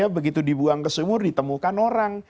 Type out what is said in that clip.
begitu dibuang ke sumur ditemukan orang